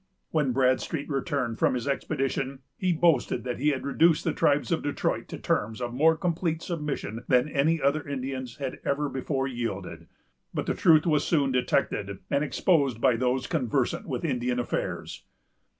When Bradstreet returned from his expedition, he boasted that he had reduced the tribes of Detroit to terms of more complete submission than any other Indians had ever before yielded; but the truth was soon detected and exposed by those conversant with Indian affairs.